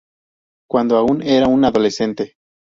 Cuando aún era un adolescente.